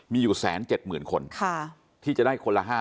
มีอยู่๑๗๐๐๐คนที่จะได้คนละ๕๐๐